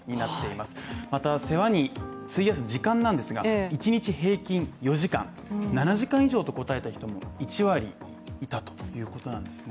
また、世話に費やす時間ですが、一日平均４時間、７時間以上と答えた人も１割いたということなんですね。